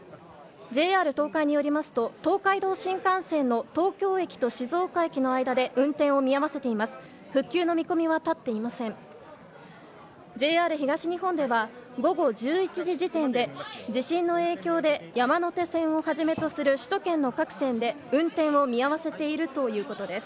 ＪＲ東海によりますと東海道新幹線の東京駅と静岡駅の間で運転を見合わせています。